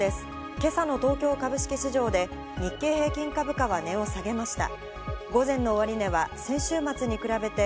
今朝の東京株式市場で日経平均株価は値を下げました。